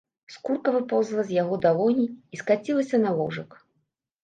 Скурка выпаўзла з яго далоні і скацілася на ложак.